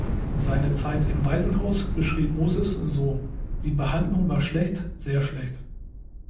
Seine Zeit im Waisenhaus beschrieb Moses so: "„Die Behandlung war schlecht, sehr schlecht.